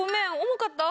重かった？